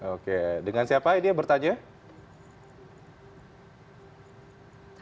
oke dengan siapa ini pertanyaannya